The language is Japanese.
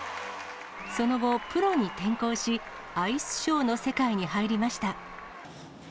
その後、プロに転向し、アイスショーの世界に入りました。